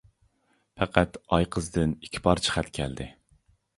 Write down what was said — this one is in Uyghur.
پەقەت ئايقىزدىن ئىككى پارچە خەت كەلدى.